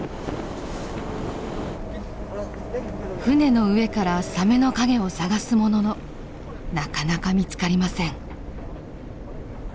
船の上からサメの影を探すもののなかなか見つかりません。